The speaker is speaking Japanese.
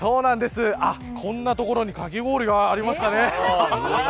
こんなところにかき氷がありましたね。